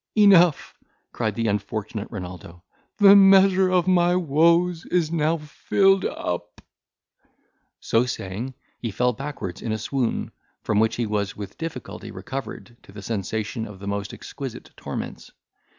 "Enough," cried the unfortunate Renaldo, "the measure of my woes is now filled up." So saying, he fell backwards in a swoon, from which he was with difficulty recovered to the sensation of the most exquisite torments.